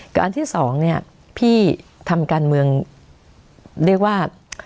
คืออันที่สองเนี่ยพี่ทำการเมืองเรียกว่า